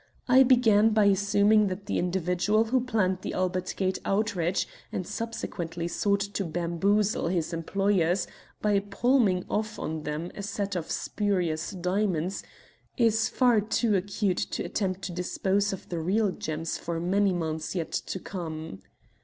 I began by assuming that the individual who planned the Albert Gate outrage and subsequently sought to bamboozle his employers by palming off on them a set of spurious diamonds, is far too acute to attempt to dispose of the real gems for many months yet to come.